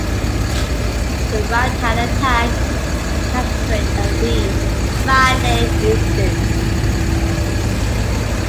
The rat had a tag attached to it that read, My name is Sue.